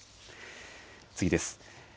次です。